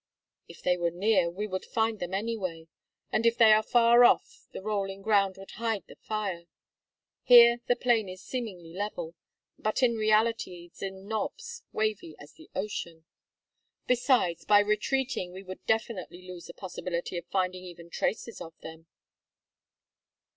"If they were near we would find them anyway, and if they are far off the rolling ground would hide the fire. Here the plain is seemingly level, but in reality is in knobs, wavy as the ocean. Besides, by retreating we would definitely lose the possibility of finding even traces of them."